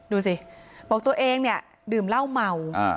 ดูสิบอกตัวเองเนี่ยดื่มเหล้าเมา